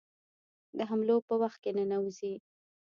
د حملو په وخت کې ننوزي.